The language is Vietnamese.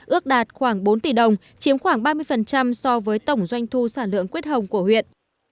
ước đạt khoảng bốn tỷ đồng chiếm khoảng ba mươi so với tổng doanh thu sản lượng quyết hồng của huyện